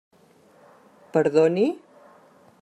Perdoni?